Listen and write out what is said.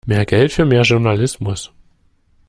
Mehr Geld für mehr Journalismus!